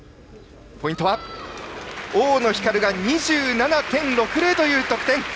ポイントは、大野ひかるが２７．６０という得点！